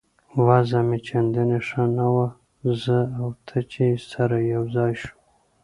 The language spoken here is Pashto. وضع مې چندانې ښه نه وه، زه او ته چې سره یو ځای شوو.